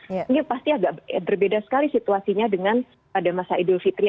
ini pasti agak berbeda sekali situasinya dengan pada masa idul fitri